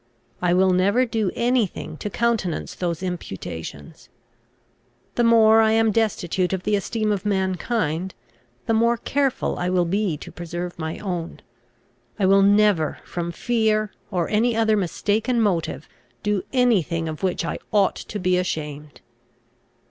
I will never do any thing to countenance those imputations. The more I am destitute of the esteem of mankind, the more careful I will be to preserve my own. I will never from fear, or any other mistaken motive, do any thing of which I ought to be ashamed.